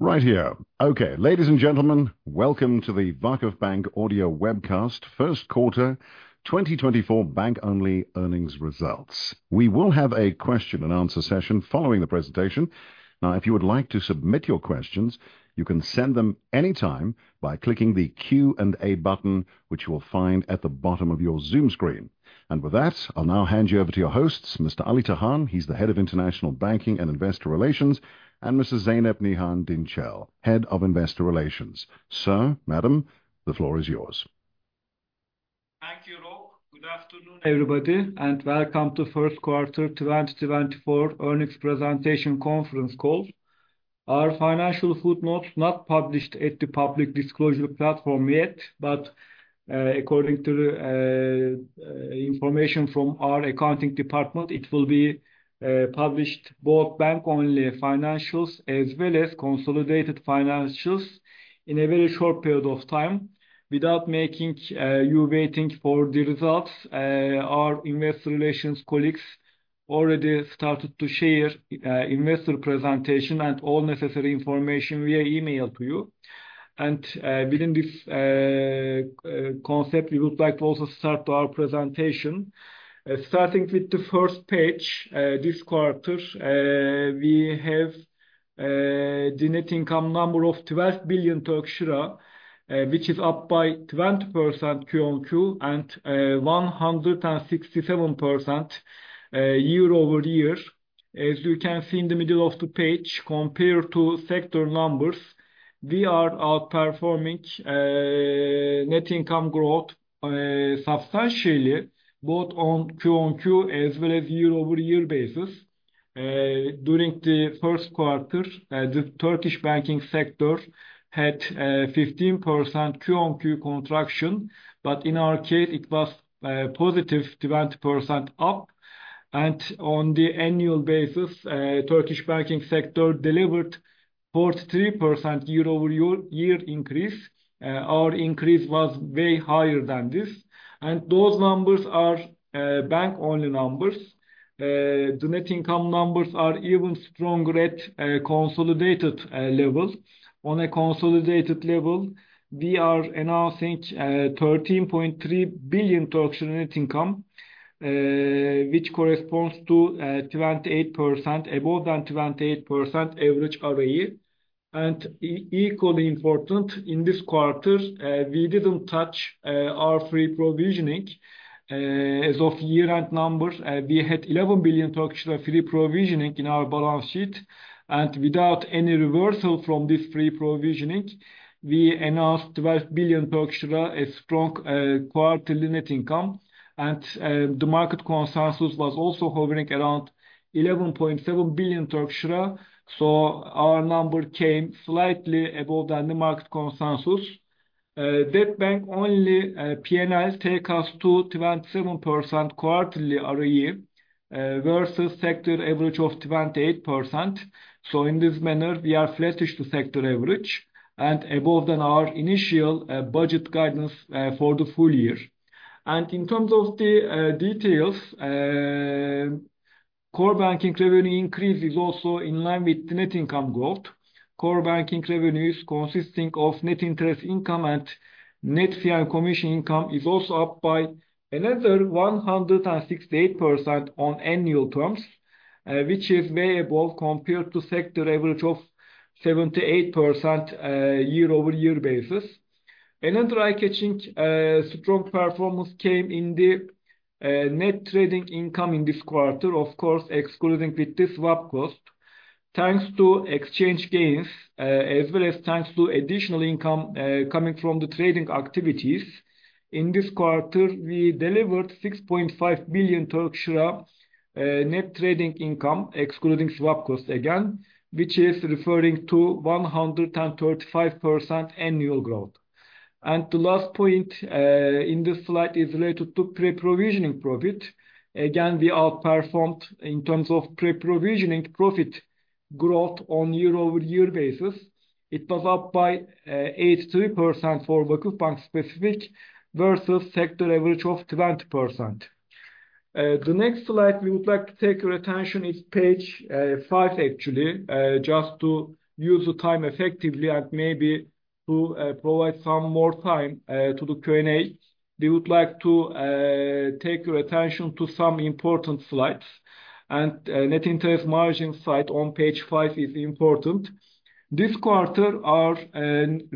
Right here. Okay. Ladies and gentlemen, welcome to the VakıfBank Audio Webcast First Quarter 2024 Bank-only Earnings Results. We will have a question and answer session following the presentation. Now, if you would like to submit your questions, you can send them anytime by clicking the Q&A button, which you will find at the bottom of your Zoom screen. With that, I'll now hand you over to your hosts, Mr. Ali Tahan, Head of International Banking & Investor Relations, and Mrs. Zeynep Nihan DİNÇEL, Head of Investor Relations. Sir, madam, the floor is yours. Thank you, Rob. Good afternoon, everybody, and welcome to first quarter 2024 earnings presentation conference call. Our financial footnotes not published at the public disclosure platform yet, but according to information from our accounting department, it will be published both bank only financials as well as consolidated financials in a very short period of time. Without making you waiting for the results, our investor relations colleagues already started to share investor presentation and all necessary information via email to you. Within this concept, we would like to also start our presentation. Starting with the first page, this quarter we have the net income number of 12 billion Turkish lira, which is up by 20% Q on Q and 167% year-over-year. As you can see in the middle of the page, compared to sector numbers, we are outperforming net income growth substantially both on Q-on-Q as well as year-over-year basis. During the first quarter, the Turkish banking sector had 15% Q-on-Q contraction, but in our case it was +20% up. On the annual basis, Turkish banking sector delivered 43% year-over-year increase. Our increase was way higher than this. Those numbers are bank-only numbers. The net income numbers are even stronger at a consolidated level. On a consolidated level, we are announcing 13.3 billion net income, which corresponds to 28% above 28% average ROE. Equally important, in this quarter, we didn't touch our free provisioning. As of year-end numbers, we had 11 billion free provisioning in our balance sheet, and without any reversal from this free provisioning, we announced 12 billion Turkish lira as strong quarterly net income. The market consensus was also hovering around 11.7 billion Turkish lira, so our number came slightly above than the market consensus. That bank only P&L take us to 27% quarterly ROE versus sector average of 28%. In this manner we are flattish to sector average and above than our initial budget guidance for the full year. In terms of the details, core banking revenue increase is also in line with the net income growth. Core banking revenues consisting of net interest income and net fee and commission income is also up by another 168% on annual terms, which is way above compared to sector average of 78%, year-over-year basis. Another eye-catching strong performance came in the net trading income in this quarter, of course, excluding with the swap cost. Thanks to exchange gains, as well as thanks to additional income coming from the trading activities. In this quarter, we delivered 6.5 billion Turkish lira net trading income excluding swap cost again, which is referring to 135% annual growth. The last point in this slide is related to pre-provisioning profit. We outperformed in terms of pre-provisioning profit growth on year-over-year basis. It was up by 83% for VakıfBank specific versus sector average of 20%. The next slide we would like to take your attention to is page five actually, just to use the time effectively and maybe to provide some more time to the Q&A. We would like to take your attention to some important slides. Net interest margin slide on page five is important. This quarter, our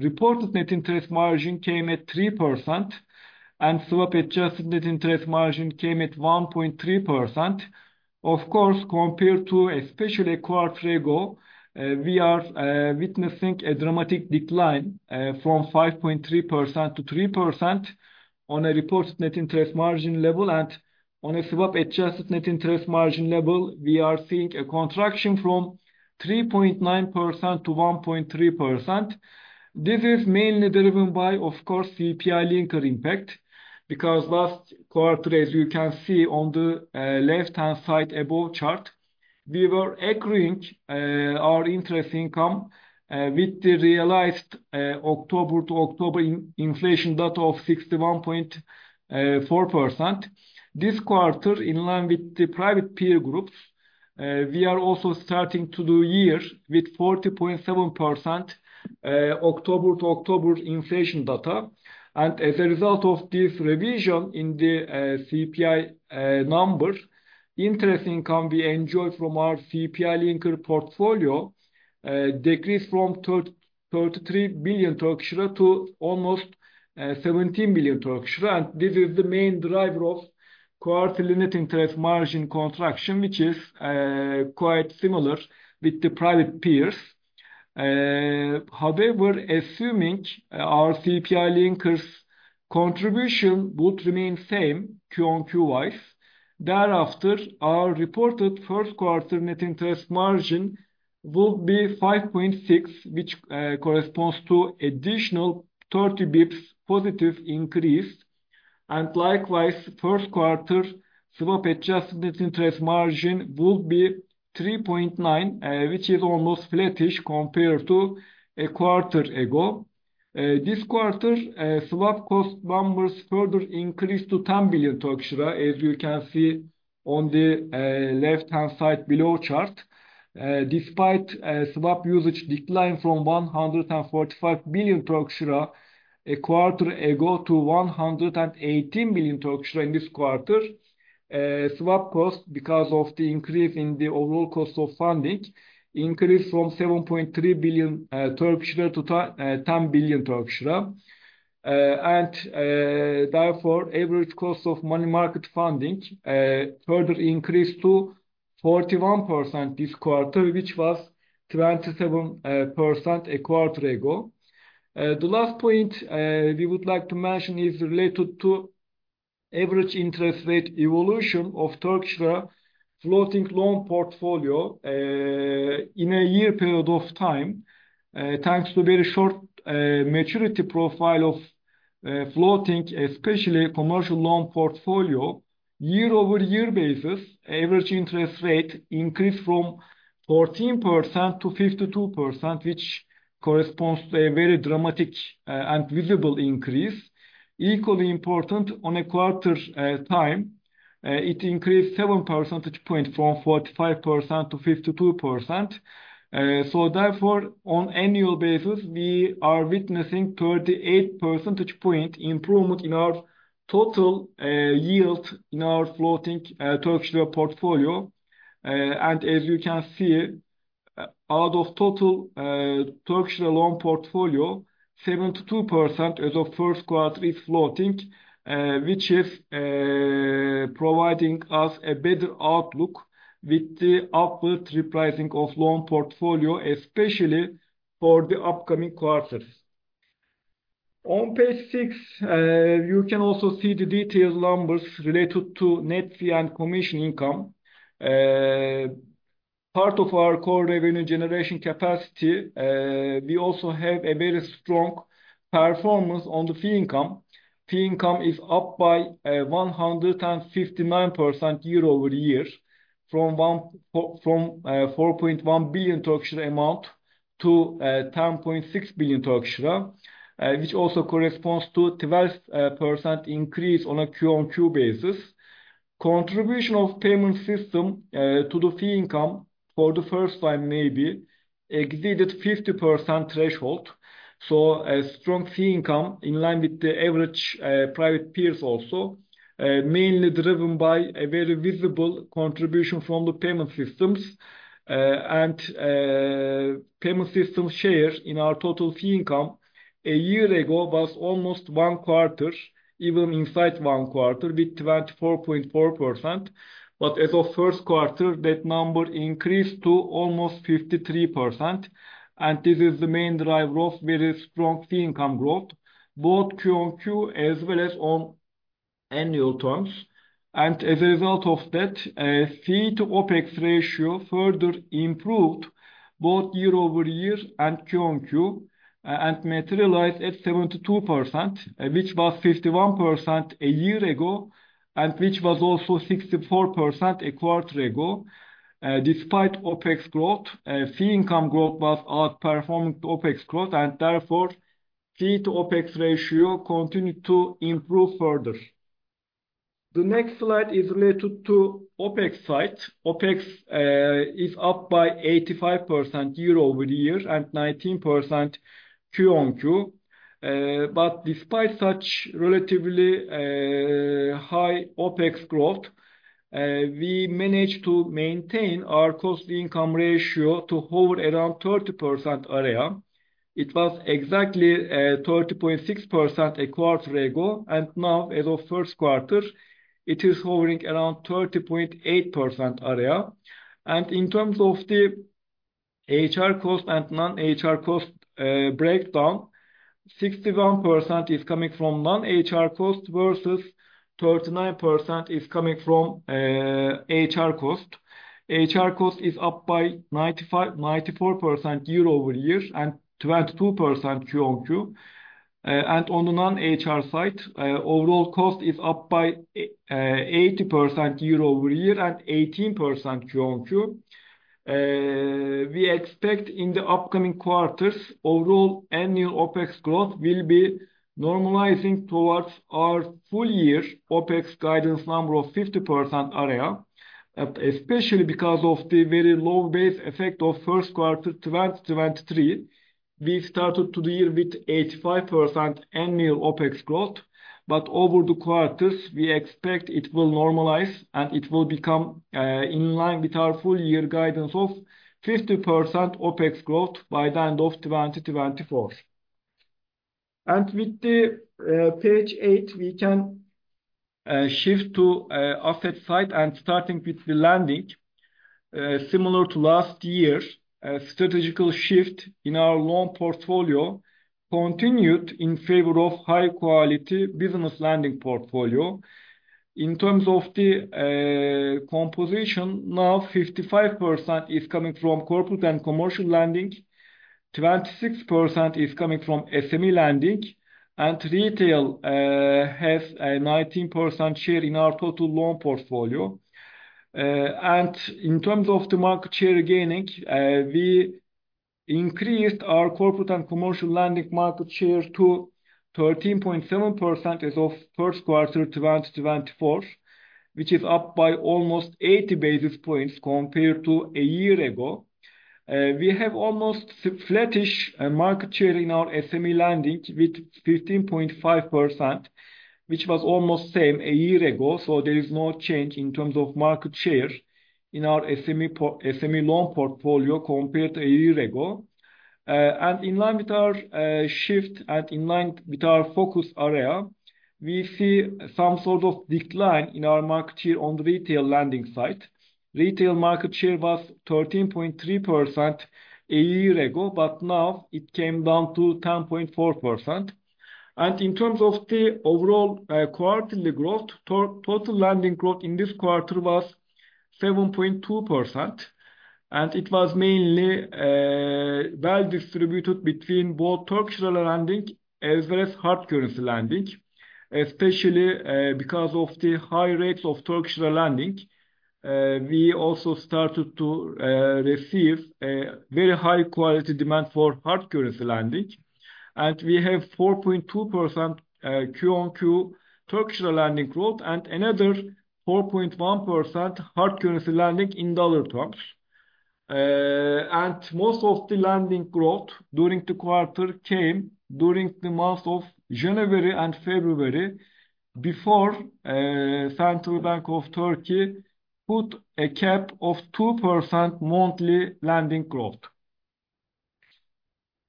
reported net interest margin came at 3%, and swap-adjusted net interest margin came at 1.3%. Of course, compared to especially a quarter ago, we are witnessing a dramatic decline from 5.3% to 3% on a reported net interest margin level. On a swap-adjusted net interest margin level, we are seeing a contraction from 3.9% to 1.3%. This is mainly driven by, of course, CPI linking impact, because last quarter, as you can see on the left-hand side above chart, we were aligning our interest income with the realized October-to-October inflation data of 61.4%. This quarter, in line with the private peer group, we are also starting to align our year with 40.7% October to October inflation data. As a result of this revision in the CPI numbers, interest income we enjoy from our CPI-linked portfolio decreased from 33 billion Turkish lira to almost 17 billion Turkish lira. This is the main driver of quarter net interest margin contraction, which is quite similar with the private peers. However, assuming our CPI linkers contribution would remain same Q-on-Q wise, thereafter, our reported first quarter net interest margin would be 5.6%, which corresponds to additional 30 bps positive increase. Likewise, first quarter swap-adjusted net interest margin would be 3.9%, which is almost flattish compared to a quarter ago. This quarter, swap cost numbers further increased to 10 billion Turkish lira, as you can see on the left-hand side below chart. Despite swap usage decline from 145 billion a quarter ago to 118 billion in this quarter, swap cost, because of the increase in the overall cost of funding, increased from 7.3 billion Turkish lira to 10 billion Turkish lira. Therefore, average cost of money market funding further increased to 41% this quarter, which was 27% a quarter ago. The last point we would like to mention is related to average interest rate evolution of Turkish lira floating loan portfolio. In a year period of time, thanks to very short maturity profile of floating, especially commercial loan portfolio, year-over-year basis, average interest rate increased from 14% to 52%, which corresponds to a very dramatic and visible increase. Equally important, on a quarterly basis, it increased 7 percentage point from 45% to 52%. Therefore, on an annual basis, we are witnessing 38 percentage point improvement in our total yield in our floating Turkish lira portfolio. And as you can see, out of total Turkish lira loan portfolio, 72% as of first quarter is floating, which is providing us a better outlook with the upward repricing of loan portfolio, especially for the upcoming quarters. On page six, you can also see the detailed numbers related to net fee and commission income. Part of our core revenue generation capacity, we also have a very strong performance on the fee income. Fee income is up by 159% year-over-year from 4.1 billion to 10.6 billion, which also corresponds to 12% increase on a Q-on-Q basis. Contribution of payment system to the fee income for the first time maybe exceeded 50% threshold, so a strong fee income in line with the average private peers also mainly driven by a very visible contribution from the payment systems. Payment system share in our total fee income a year ago was almost one quarter, even inside one quarter with 24.4%. As of first quarter, that number increased to almost 53%, and this is the main driver of very strong fee income growth, both Q-on-Q as well as on annual terms. As a result of that, fee to OpEx ratio further improved both year-over-year and Q-on-Q, and materialized at 72%, which was 51% a year ago, and which was also 64% a quarter ago. Despite OpEx growth, fee income growth was outperforming OpEx growth, and therefore fee to OpEx ratio continued to improve further. The next slide is related to OpEx side. OpEx is up by 85% year-over-year and 19% Q-on-Q. Despite such relatively high OpEx growth, we managed to maintain our cost income ratio to hover around 30% area. It was exactly 30.6% a quarter ago, and now as of first quarter, it is hovering around 30.8% area. In terms of the HR cost and non-HR cost breakdown, 61% is coming from non-HR cost versus 39% is coming from HR cost. HR cost is up by 94% year-over-year and 22% quarter-on-quarter. On the non-HR side, overall cost is up by 80% year-over-year and 18% quarter-on-quarter. We expect in the upcoming quarters overall annual OpEx growth will be normalizing towards our full year OpEx guidance number of 50% area, especially because of the very low base effect of first quarter 2023. We started the year with 85% annual OpEx growth, but over the quarters we expect it will normalize, and it will become in line with our full year guidance of 50% OpEx growth by the end of 2024. With the page eight, we can shift to asset side, and starting with the lending. Similar to last year, a strategic shift in our loan portfolio continued in favor of high quality business lending portfolio. In terms of the composition, now 55% is coming from corporate and commercial lending, 26% is coming from SME lending, and retail has a 19% share in our total loan portfolio. In terms of the market share gaining, we increased our corporate and commercial lending market share to 13.7% as of first quarter 2024, which is up by almost 80 basis points compared to a year ago. We have almost flattish market share in our SME lending with 15.5%, which was almost same a year ago. There is no change in terms of market share in our SME loan portfolio compared to a year ago. In line with our shift and in line with our focus area, we see some sort of decline in our market share on the retail lending side. Retail market share was 13.3% a year ago, but now it came down to 10.4%. In terms of the overall, quarterly growth, total lending growth in this quarter was 7.2%, and it was mainly, well distributed between both Turkish lira lending as well as hard currency lending. Especially, because of the high rates of Turkish lira lending, we also started to receive a very high quality demand for hard currency lending. We have 4.2%, Q-on-Q Turkish lira lending growth and another 4.1% hard currency lending in dollar terms. Most of the lending growth during the quarter came during the months of January and February before Central Bank of Turkey put a cap of 2% monthly lending growth.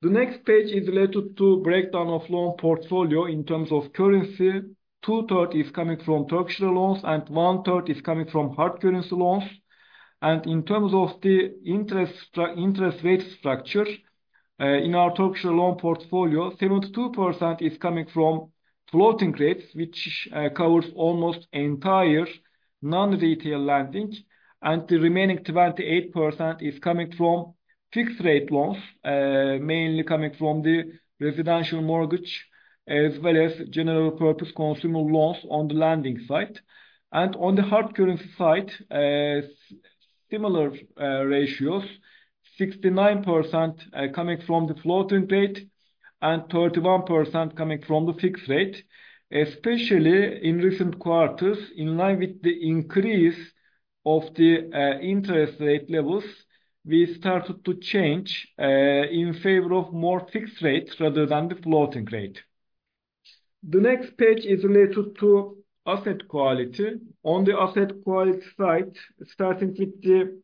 The next page is related to breakdown of loan portfolio in terms of currency. 2/3 is coming from Turkish lira loans, and 1/3 is coming from hard currency loans. In terms of the interest rate structure, in our Turkish lira loan portfolio, 72% is coming from floating rates, which covers almost entire non-retail lending, and the remaining 28% is coming from fixed rate loans, mainly coming from the residential mortgage, as well as general purpose consumer loans on the lending side. On the hard currency side, similar ratios, 69% coming from the floating rate and 31% coming from the fixed rate. Especially in recent quarters, in line with the increase of the interest rate levels, we started to change in favor of more fixed rate rather than the floating rate. The next page is related to asset quality. On the asset quality side, starting with the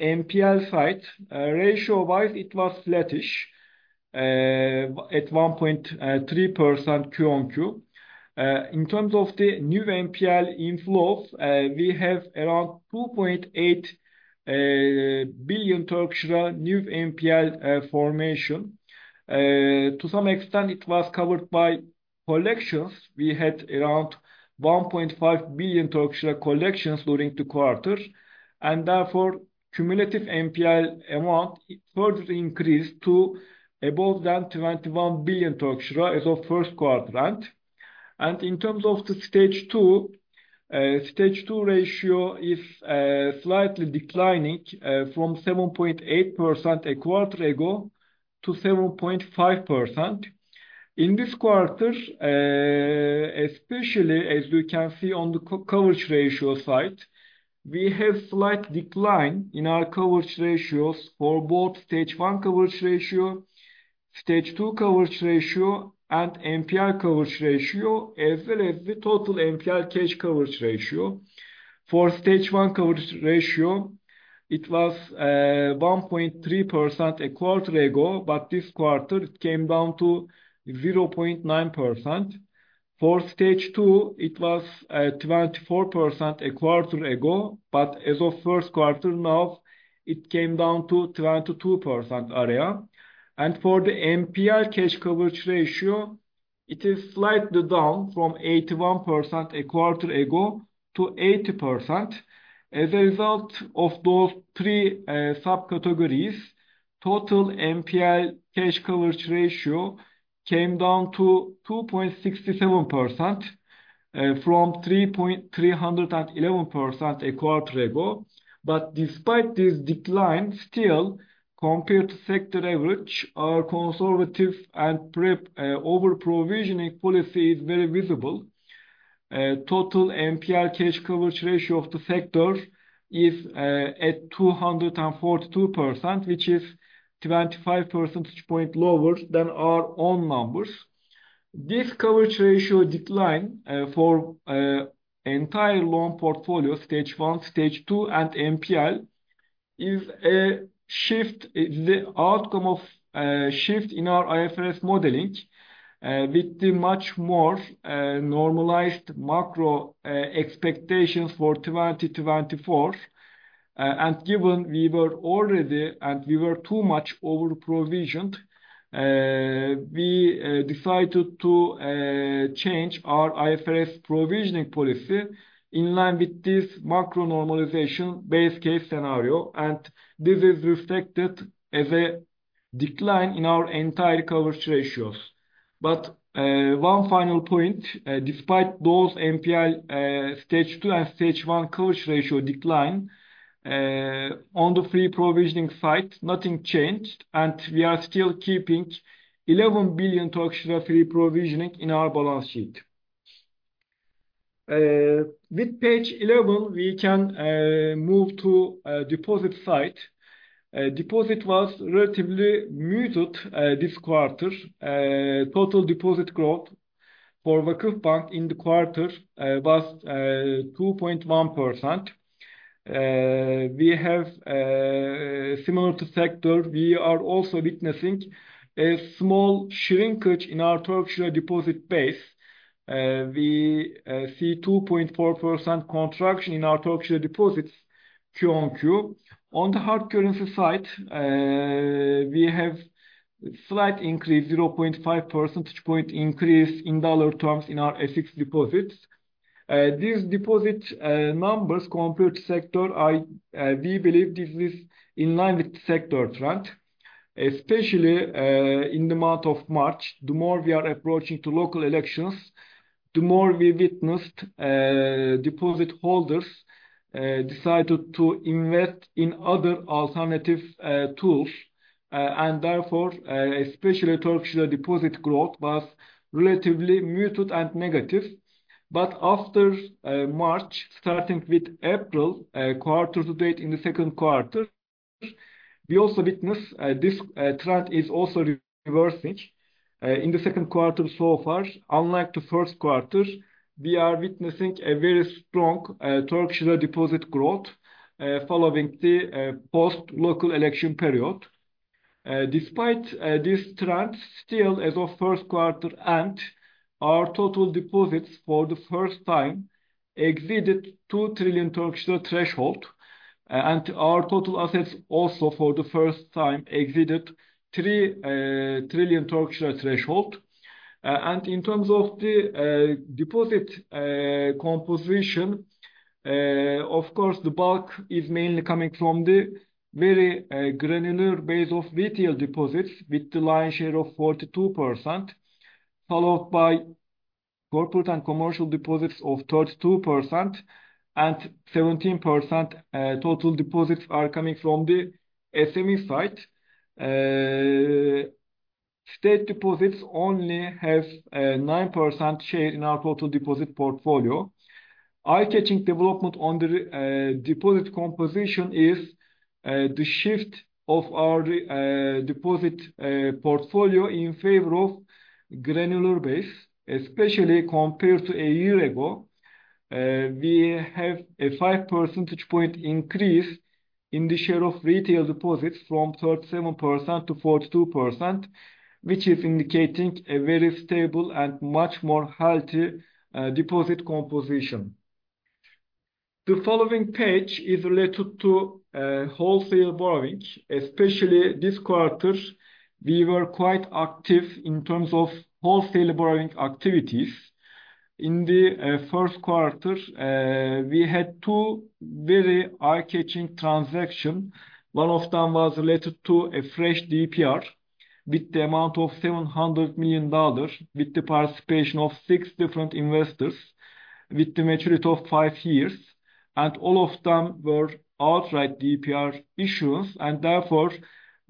NPL side. Ratio-wise, it was flattish at 1.3% Q-on-Q. In terms of the new NPL inflows, we have around 2.8 billion new NPL formation. To some extent, it was covered by collections. We had around 1.5 billion collections during the quarter, and therefore, cumulative NPL amount further increased to above 21 billion Turkish lira as of first quarter end. In terms of the stage two, stage two ratio is slightly declining from 7.8% a quarter ago to 7.5%. In this quarter, especially as we can see on the coverage ratio side, we have slight decline in our coverage ratios for both stage one coverage ratio, stage two coverage ratio, and NPL coverage ratio, as well as the total NPL cash coverage ratio. For stage one coverage ratio, it was 1.3% a quarter ago, but this quarter it came down to 0.9%. For stage two, it was 24% a quarter ago, but as of first quarter now, it came down to 22%. For the NPL cash coverage ratio, it is slightly down from 81% a quarter ago to 80%. As a result of those three subcategories, total NPL cash coverage ratio came down to 2.67% from 3.311% a quarter ago. Despite this decline, still compared to sector average, our conservative and prudent over-provisioning policy is very visible. Total NPL cash coverage ratio of the sector is at 242%, which is 25 percentage point lower than our own numbers. This coverage ratio decline for entire loan portfolio, stage one, stage two, and NPL is the outcome of shift in our IFRS modeling with the much more normalized macro expectations for 2024. Given we were already and we were too much over-provisioned, we decided to change our IFRS provisioning policy in line with this macro normalization base case scenario, and this is reflected as a decline in our entire coverage ratios. One final point, despite those NPL stage two and stage one coverage ratio decline, on the free provisioning side, nothing changed, and we are still keeping 11 billion free provisioning in our balance sheet. With page 11, we can move to deposit side. Deposit was relatively muted this quarter. Total deposit growth for VakıfBank in the quarter was 2.1%. We have similar to sector, we are also witnessing a small shrinkage in our Turkish lira deposit base. We see 2.4% contraction in our Turkish lira deposits Q-on-Q. On the hard currency side, we have slight increase, 0.5 percentage point increase in dollar terms in our FX deposits. These deposit numbers compared to sector are, we believe this is in line with sector trend, especially in the month of March. The more we are approaching to local elections, the more we witnessed deposit holders decided to invest in other alternative tools. Therefore, especially Turkish lira deposit growth was relatively muted and negative. After March, starting with April, quarter to date in the second quarter, we also witness this trend is also reversing. In the second quarter so far, unlike the first quarter, we are witnessing a very strong Turkish lira deposit growth following the post-local election period. Despite this trend, still as of first quarter end, our total deposits for the first time exceeded 2 trillion threshold. Our total assets also for the first time exceeded 3 trillion threshold. In terms of the deposit composition, of course, the bulk is mainly coming from the very granular base of retail deposits with the lion's share of 42%, followed by corporate and commercial deposits of 32% and 17%, total deposits are coming from the SME side. State deposits only have 9% share in our total deposit portfolio. Eye-catching development on the deposit composition is the shift of our deposit portfolio in favor of granular base, especially compared to a year ago. We have a five percentage point increase in the share of retail deposits from 37% to 42%, which is indicating a very stable and much more healthy deposit composition. The following page is related to wholesale borrowing. Especially this quarter, we were quite active in terms of wholesale borrowing activities. In the first quarter, we had two very eye-catching transaction. One of them was related to a fresh DPR with the amount of $700 million with the participation of six different investors with the maturity of five years. All of them were outright DPR issuance. Therefore,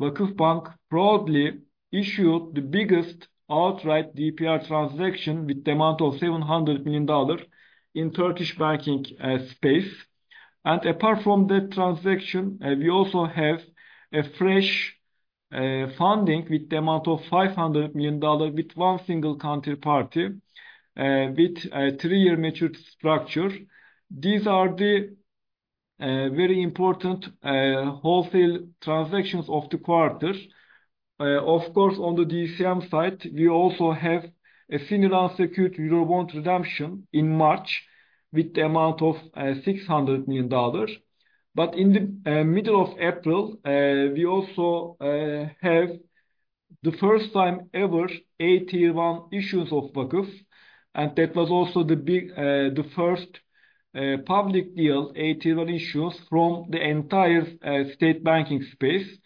VakıfBank proudly issued the biggest outright DPR transaction with the amount of $700 million in Turkish banking space. Apart from that transaction, we also have a fresh funding with the amount of $500 million with one single counterparty with a 3-year maturity structure. These are the very important wholesale transactions of the quarter. Of course, on the DCM side, we also have a senior unsecured Eurobond redemption in March with the amount of $600 million. In the middle of April, we also have the first time ever AT1 issues of VakıfBank, and that was also the first public deal AT1 issues from the entire state banking space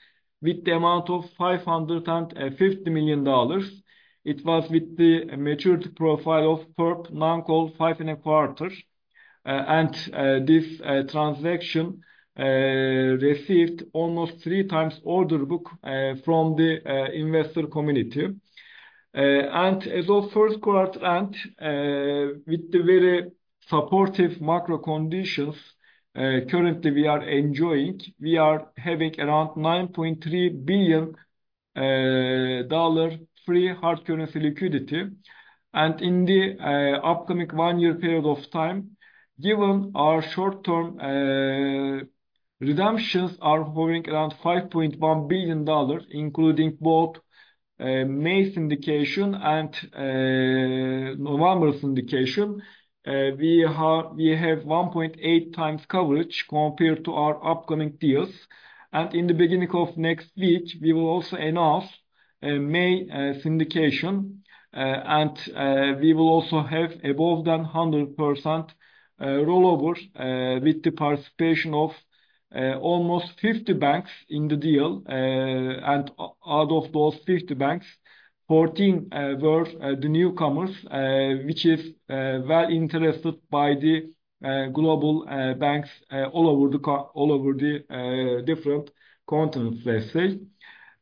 with the amount of $550 million. It was with the maturity profile of perp non-call 5.25%. This transaction received almost 3x order book from the investor community. As of first quarter end, with the very supportive macro conditions currently we are enjoying, we are having around $9.3 billion dollar free hard currency liquidity. In the upcoming one-year period of time, given our short-term redemptions are hovering around $5.1 billion, including both May syndication and November syndication, we have 1.8x coverage compared to our upcoming deals. In the beginning of next week, we will also announce May syndication. We will also have more than 100% rollover with the participation of almost 50 banks in the deal. Out of those 50 banks, 14 were the newcomers, which is of interest to the global banks all over the different continents, let's say.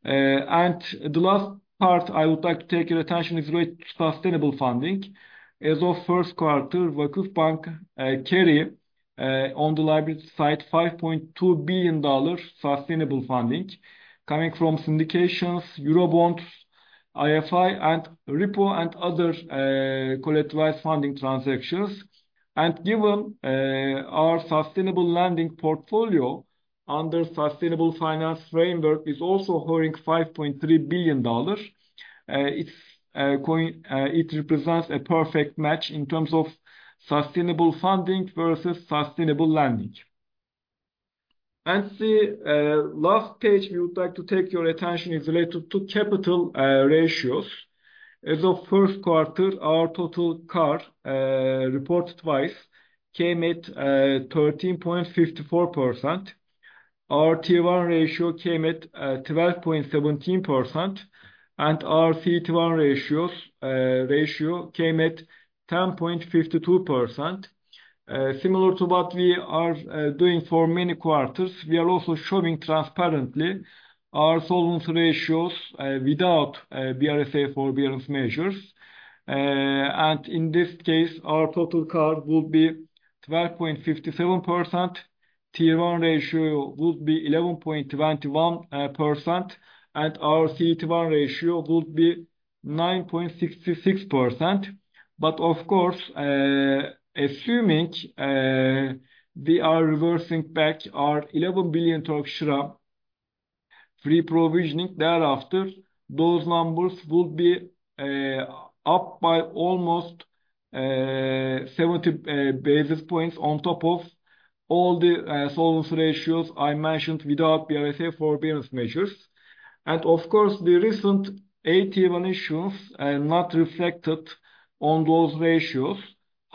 The last part I would like to draw your attention to is related to sustainable funding. As of first quarter, VakıfBank carries on the liability side $5.2 billion sustainable funding coming from syndications, Eurobonds, IFI, and repo, and other collateralized funding transactions. Given our sustainable lending portfolio under sustainable finance framework is also holding $5.3 billion. It represents a perfect match in terms of sustainable funding versus sustainable lending. The last page we would like to draw your attention to is related to capital ratios. As of first quarter, our total CAR reported basis came at 13.54%. Our Tier 1 ratio came at 12.17%, and our CET1 ratio came at 10.52%. Similar to what we are doing for many quarters, we are also showing transparently our solvency ratios without BRSA forbearance measures. In this case, our total CAR would be 12.57%. Tier 1 ratio would be 11.21%, and our CET1 ratio would be 9.66%. Of course, assuming we are reversing back our 11 billion Turkish lira free provisioning thereafter, those numbers would be up by almost 70 basis points on top of all the solvency ratios I mentioned without BRSA forbearance measures. Of course, the recent AT1 issuance are not reflected on those ratios.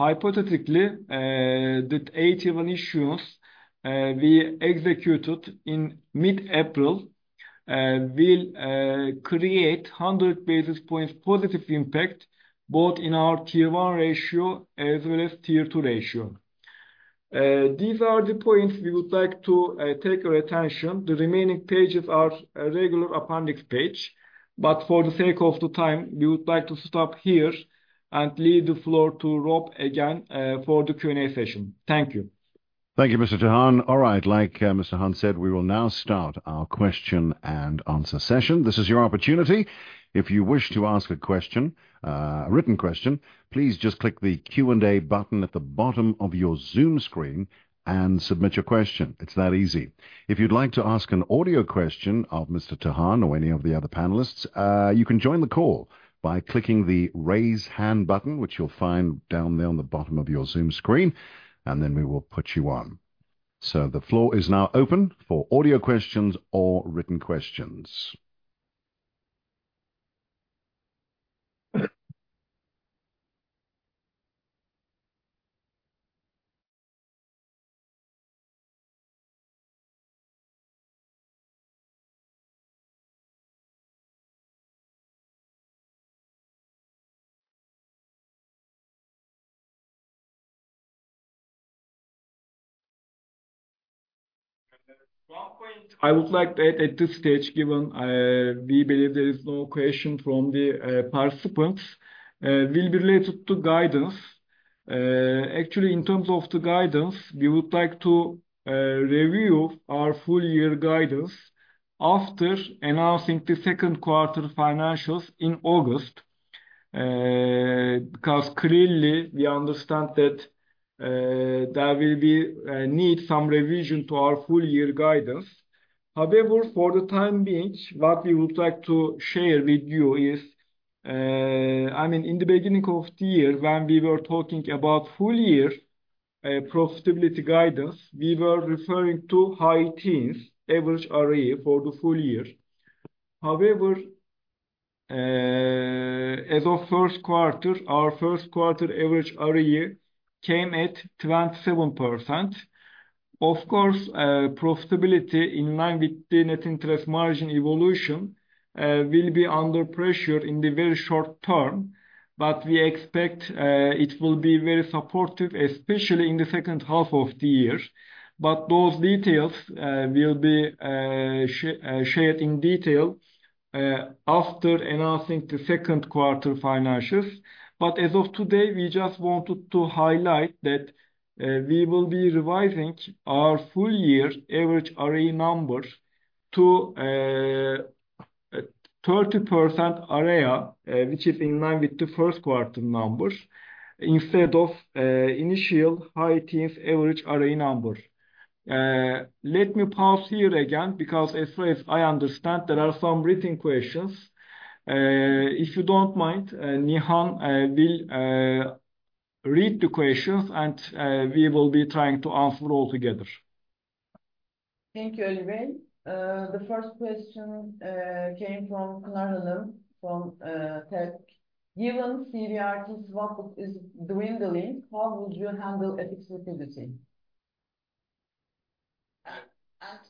Hypothetically, that AT1 issuance we executed in mid-April will create 100 basis points positive impact both in our Tier 1 ratio as well as Tier 2 ratio. These are the points we would like to draw your attention. The remaining pages are a regular appendix page. For the sake of time, we would like to stop here and leave the floor to Rob again for the Q&A session. Thank you. Thank you, Mr. Tahan. All right. Like, Mr. Tahan said, we will now start our question and answer session. This is your opportunity. If you wish to ask a question, a written question, please just click the Q&A button at the bottom of your Zoom screen and submit your question. It's that easy. If you'd like to ask an audio question of Mr. Tahan or any of the other panelists, you can join the call by clicking the Raise Hand button, which you'll find down there on the bottom of your Zoom screen, and then we will put you on. The floor is now open for audio questions or written questions. I would like to add at this stage, given we believe there is no question from the participants will be related to guidance. Actually, in terms of the guidance, we would like to review our full year guidance after announcing the second quarter financials in August, because clearly we understand that there will be need some revision to our full year guidance. However, for the time being, what we would like to share with you is. I mean, in the beginning of the year when we were talking about full year profitability guidance, we were referring to high teens average ROE for the full year. However, as of first quarter, our first quarter average ROE came at 27%. Of course, profitability in line with the net interest margin evolution will be under pressure in the very short term, but we expect it will be very supportive, especially in the second half of the year. Those details will be shared in detail after announcing the second quarter financials. As of today, we just wanted to highlight that we will be revising our full year average ROE numbers to a 30% area, which is in line with the first quarter numbers instead of initial high teens average ROE number. Let me pause here again because as far as I understand there are some written questions. If you don't mind, Nihan will read the questions, and we will be trying to answer all together. Thank you, Ali. The first question came from Pınar Alım from TEB. Given CBRT swap is dwindling, how would you handle excess liquidity?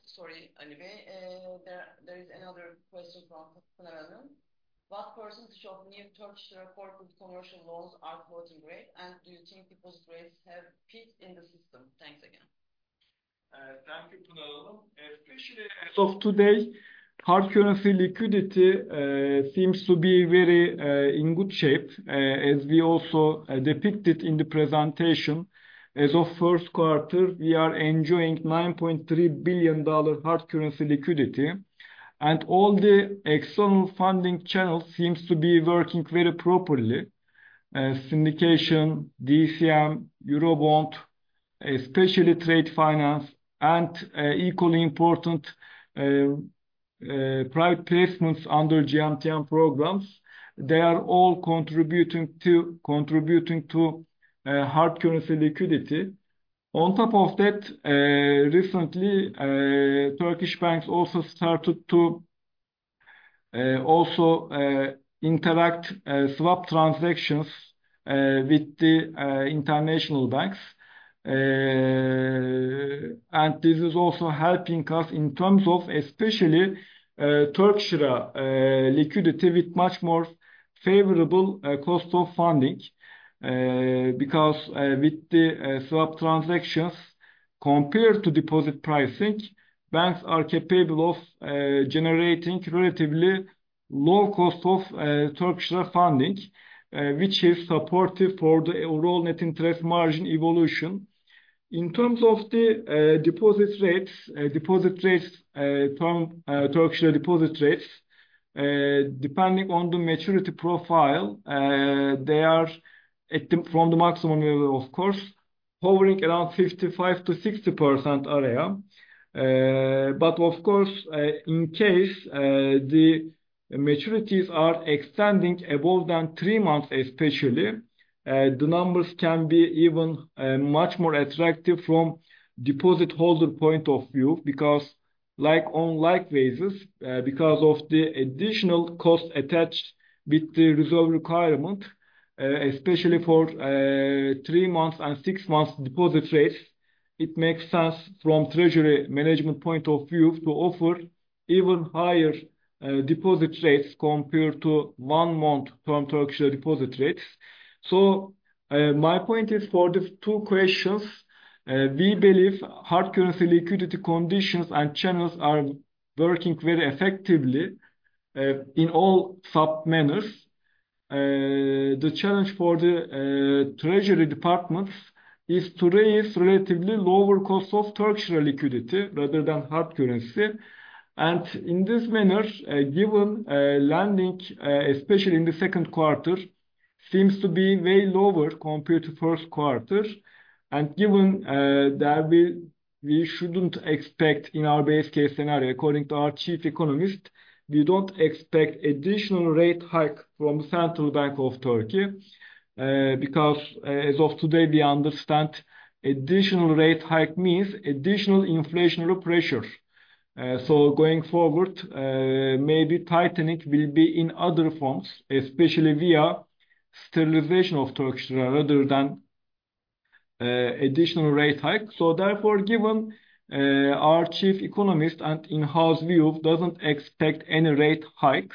Sorry, Ali Tahan, there is another question from Pınar Alım. What percentage of new Turkish Lira commercial loans are floating rate, and do you think the policy rates have peaked in the system? Thanks again. Thank you, Pınar Alım. Especially as of today, hard currency liquidity seems to be very in good shape, as we also depicted in the presentation. As of first quarter, we are enjoying $9.3 billion hard currency liquidity. All the external funding channels seems to be working very properly. Syndication, DCM, Eurobond, especially trade finance, and equally important, private placements under GMTN programs. They are all contributing to hard currency liquidity. On top of that, recently, Turkish banks also started to initiate swap transactions with the international banks. This is also helping us in terms of especially Turkish lira liquidity with much more favorable cost of funding, because with the swap transactions, compared to deposit pricing, banks are capable of generating relatively low cost of Turkish lira funding, which is supportive for the overall net interest margin evolution. In terms of the deposit rates from Turkish lira deposit rates, depending on the maturity profile, they are at the maximum level of course, hovering around 55%-60% area. Of course, in case the maturities are extending above than three months especially, the numbers can be even much more attractive from deposit holder point of view because like-on-like basis, because of the additional cost attached with the reserve requirement, especially for three months and six months deposit rates, it makes sense from treasury management point of view to offer even higher deposit rates compared to one-month term Turkish lira deposit rates. My point is for the two questions, we believe hard currency liquidity conditions and channels are working very effectively in all such manners. The challenge for the treasury departments is to raise relatively lower cost of Turkish lira liquidity rather than hard currency. In this manner, given lending, especially in the second quarter, seems to be way lower compared to first quarter. Given that we shouldn't expect in our base case scenario, according to our chief economist, we don't expect additional rate hike from Central Bank of Turkey, because as of today we understand additional rate hike means additional inflationary pressure. Going forward, maybe tightening will be in other forms, especially via sterilization of Turkish lira rather than additional rate hike. Therefore, given our chief economist and in-house view doesn't expect any rate hike,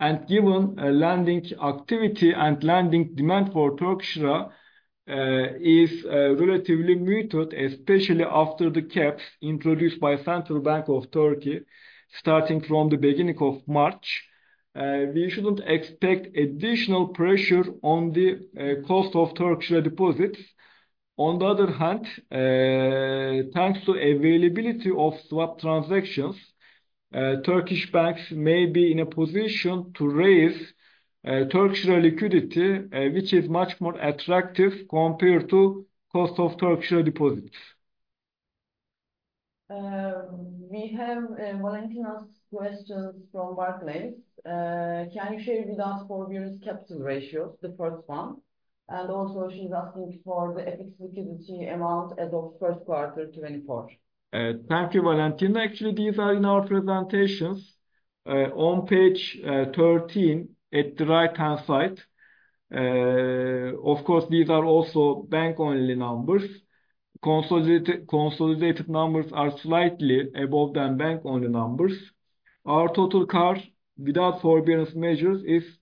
and given lending activity and lending demand for Turkish lira is relatively muted, especially after the caps introduced by Central Bank of Turkey starting from the beginning of March, we shouldn't expect additional pressure on the cost of Turkish lira deposits. On the other hand, thanks to availability of swap transactions, Turkish banks may be in a position to raise Turkish lira liquidity, which is much more attractive compared to cost of Turkish lira deposits. We have Valentina's questions from Barclays. Can you share with us for various capital ratios, the first one? Also she's asking for the FX liquidity amount as of first quarter 2024. Thank you, Valentina. Actually, these are in our presentations on page 13 at the right-hand side. Of course, these are also bank-only numbers. Consolidated numbers are slightly higher than bank-only numbers. Our total CAR without forbearance measures is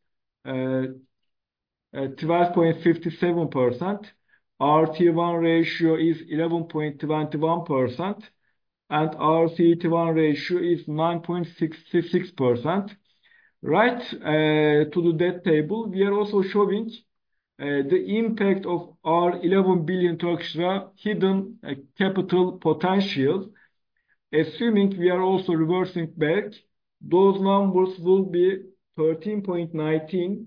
12.57%. Our Tier 1 ratio is 11.21%, and our CET1 ratio is 9.66%. Right, to the debt table, we are also showing the impact of our 11 billion hidden capital potential. Assuming we are also reversing back, those numbers will be 13.19%,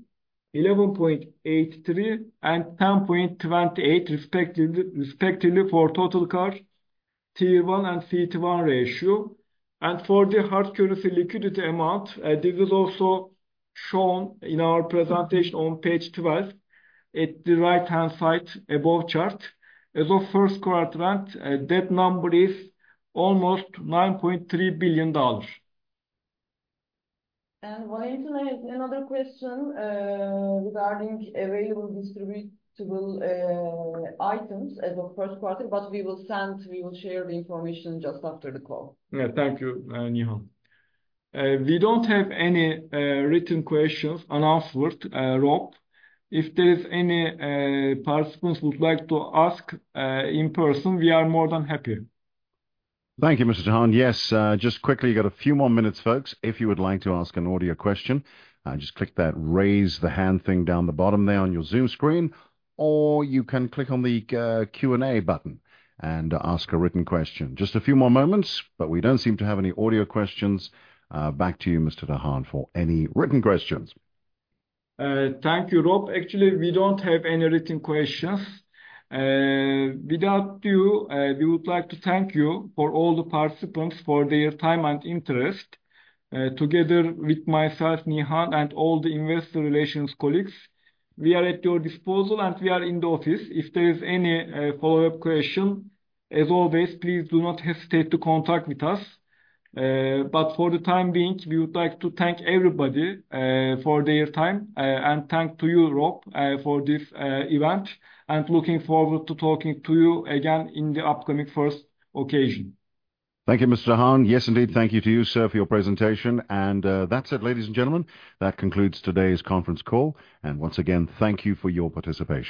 11.83%, and 10.28%, respectively, for total CAR, Tier 1, and CET1 ratio. For the hard currency liquidity amount, this is also shown in our presentation on page 12 at the right-hand side above chart. As of first quarter end, that number is almost $9.3 billion. Valentina has another question regarding available distributable items as of first quarter, but we will send, we will share the information just after the call. Yeah. Thank you, Nihan. We don't have any written questions unanswered, Rob. If there's any participants would like to ask in person, we are more than happy. Thank you, Mr. Tahan. Yes, just quickly, got a few more minutes, folks. If you would like to ask an audio question, just click that raise the hand thing down the bottom there on your Zoom screen, or you can click on the, Q&A button and ask a written question. Just a few more moments, but we don't seem to have any audio questions. Back to you, Mr. Tahan, for any written questions. Thank you, Rob. Actually, we don't have any written questions. Without you, we would like to thank you for all the participants for their time and interest, together with myself, Nihan, and all the investor relations colleagues. We are at your disposal, and we are in the office. If there is any follow-up question, as always, please do not hesitate to contact with us. For the time being, we would like to thank everybody for their time and thank to you, Rob, for this event, and looking forward to talking to you again in the upcoming first occasion. Thank you, Mr. Tahan. Yes, indeed. Thank you to you, sir, for your presentation. That's it, ladies and gentlemen. That concludes today's conference call. Once again, thank you for your participation.